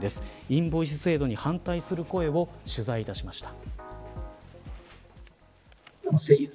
インボイス制度に反対する声を取材いたしました。